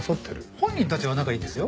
本人たちは仲いいんですよ。